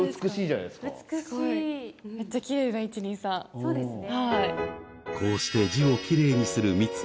そうですね。